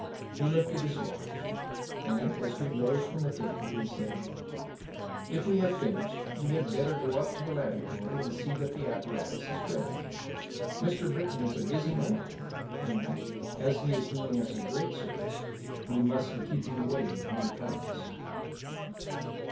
He looked at his watch, and, as we rose from the table, he said: "If we have finished, we had better go up to the laboratory and see that the apparatus is ready. Mr. Britton is a busy man, and, as he is doing us a great service, we mustn't keep him waiting when he comes."